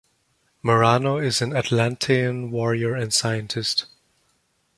Meranno is an Atlantean warrior and scientist.